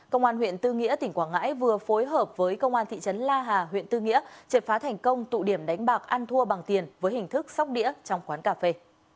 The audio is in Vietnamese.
công an huyện tư nghĩa tỉnh quảng ngãi vừa phối hợp với công an thị trấn la hà huyện tư nghĩa triệt phá thành công tụ điểm đánh bạc ăn thua bằng tiền với hình thức sóc đĩa trong quán cà phê